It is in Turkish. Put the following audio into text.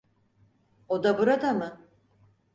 O da burada mı?